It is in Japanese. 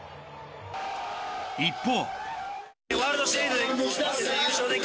一方。